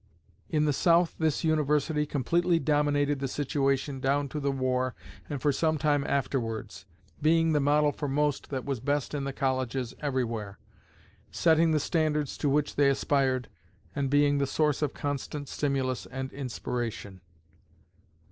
In the South this university completely dominated the situation down to the war and for some time afterwards, being the model for most that was best in the colleges everywhere, setting the standards to which they aspired, and being the source of constant stimulus and inspiration.